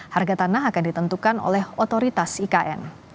harga tanah akan ditentukan oleh otoritas ikn